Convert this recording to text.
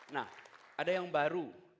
nah ada yang baru